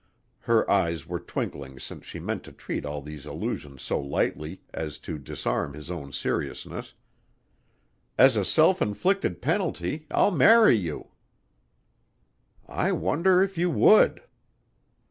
Her eyes were twinkling since she meant to treat all these allusions so lightly as to disarm his own seriousness. "As a self inflicted penalty I'll marry you." "I wonder if you would."